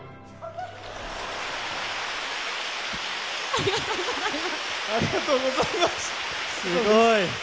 ありがとうございます。